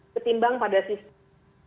ketimbang pada sistem